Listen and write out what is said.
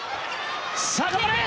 さあ頑張れ！